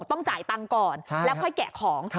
ต้องจ่ายตังค์ก่อนแล้วค่อยแกะของ